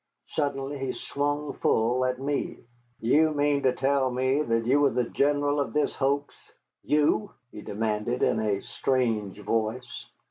Suddenly he swung full at me. "Do you mean to tell me that you were the general of this hoax you?" he demanded in a strange voice.